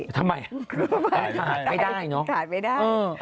ทำไมถ่ายไม่ได้